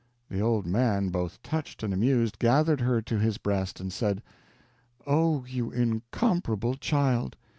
The old man, both touched and amused, gathered her to his breast and said: "Oh, you incomparable child!